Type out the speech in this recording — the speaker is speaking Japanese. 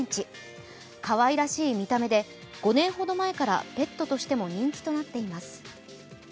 かわいらしい見た目で５年ほど前からペットとしても人気となっています。